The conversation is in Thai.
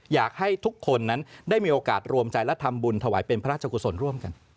อยากให้ทุกคนนั้นได้มีโอกาสรวมใจและทำบุญถวายเป็นพระราชกุศลร่วมกัน